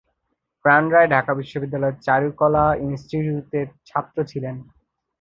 প্রাণ রায় ঢাকা বিশ্ববিদ্যালয়ের চারুকলা ইন্সটিটিউটের ছাত্র ছিলেন।